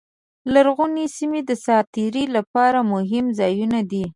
لرغونې سیمې د ساعت تېرۍ لپاره مهم ځایونه دي.